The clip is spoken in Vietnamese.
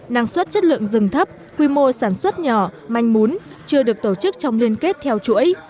năng suất chất lượng rừng thấp quy mô sản xuất nhỏ manh mún chưa được tổ chức trong liên kết theo chuỗi